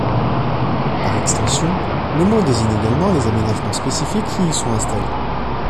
Par extension, le mot désigne également les aménagements spécifiques qui y sont installés.